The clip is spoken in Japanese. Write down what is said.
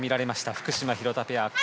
福島廣田ペア。